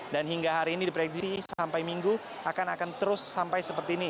dan hingga hari ini di prediksi sampai minggu akan terus sampai seperti ini